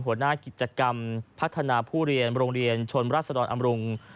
หัวหน้ากิจกรรมพัฒนาผู้เรียนโรงเรียนชนรัศดรอำรุง